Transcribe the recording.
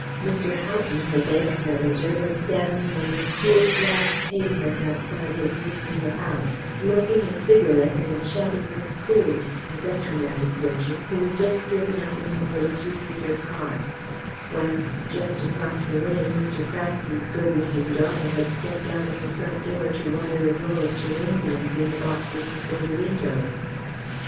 Mr. Houghton, the bank manager, was standing on the cool flagged pavement outside his neat little house, smoking a cigarette and chatting with Foulds, the veterinary surgeon, who had just driven up in his little two seater car, whilst just across the way, Mr. Craske's good looking daughter had stepped out of the front door to water the row of geraniums in the boxes before the windows.